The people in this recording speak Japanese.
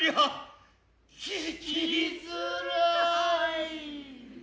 ききづらい。